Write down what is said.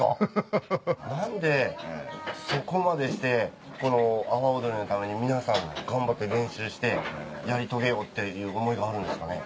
何でそこまでしてこの阿波おどりのために皆さん頑張って練習してやり遂げようっていう思いがあるんですかね？